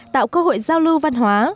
tạo cơ hội giao lưu văn hóa